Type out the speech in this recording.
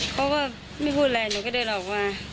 เขาก็ไม่พูดอะไรหนูก็เดินออกมา